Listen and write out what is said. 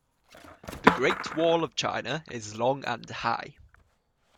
The great wall of China is long and high.